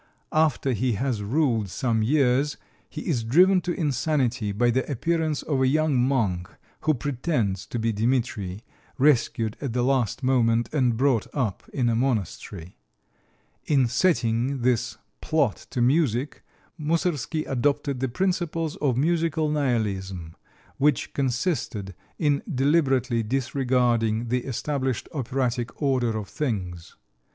After he has ruled some years, he is driven to insanity by the appearance of a young monk who pretends to be Dimitri, rescued at the last moment and brought up in a monastery. In setting this plot to music Moussorgsky adopted the principles of musical "nihilism," which consisted in deliberately disregarding the established operatic order of things.